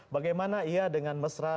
bagaimana ia dengan mesra